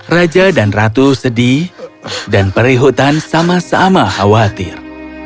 raja dan ratu sedih dan perihutan sama sama khawatir